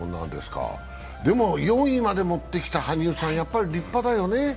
でも、４位までもってきた羽生さん、やっぱり立派だよね。